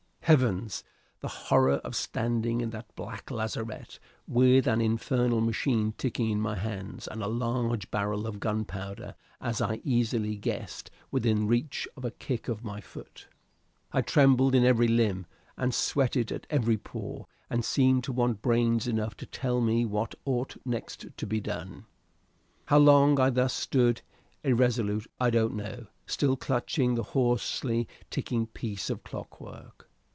Heavens! the horror of standing in that black lazarette with an infernal machine ticking in my hands, and a large barrel of gunpowder, as I easily guessed, within reach of a kick of my foot! I trembled in every limb and sweated at every pore, and seemed to want brains enough to tell me what ought next to be done! How long I thus stood irresolute I don't know; still clutching the hoarsely ticking piece of clockwork.